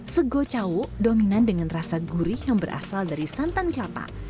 segocawo dominan dengan rasa gurih yang berasal dari santan kelapa